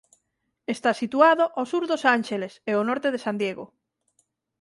Está situado ó sur dos Ánxeles e ó norte de San Diego.